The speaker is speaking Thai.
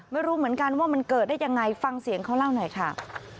ไม่รู้เหมือนกันว่ามันเกิดได้ยังไงฟังเสียงเขาเล่าหน่อยค่ะ